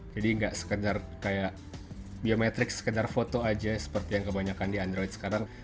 jadi nggak sekedar kayak biometrik sekedar foto aja seperti yang kebanyakan di android sekarang